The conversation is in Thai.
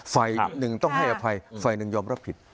ฝ่ายหนึ่งต้องให้อภัยฝ่ายหนึ่งยอมรับผิด